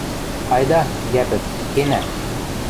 Айда, Йӓпӹк, кенӓ.